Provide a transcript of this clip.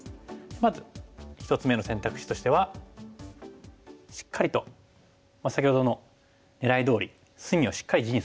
まず１つ目の選択肢としてはしっかりと先ほどのねらいどおり隅をしっかり地にする。